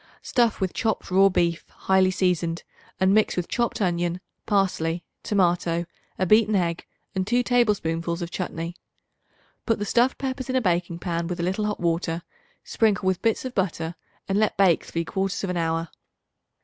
Stuff with chopped raw beef highly seasoned, and mix with chopped onion, parsley, tomato, a beaten egg and 2 tablespoonfuls of chutney. Put the stuffed peppers in a baking pan with a little hot water; sprinkle with bits of butter and let bake three quarters of an hour.